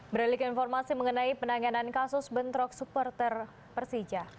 beralik informasi mengenai penanganan kasus bentrok supporter persija